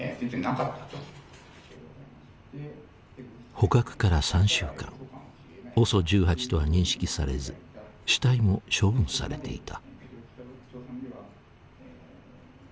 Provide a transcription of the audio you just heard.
捕獲から３週間ＯＳＯ１８とは認識されず死体も処分されていた。